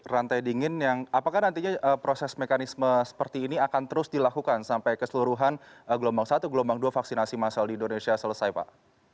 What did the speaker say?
rantai dingin yang apakah nantinya proses mekanisme seperti ini akan terus dilakukan sampai keseluruhan gelombang satu gelombang dua vaksinasi massal di indonesia selesai pak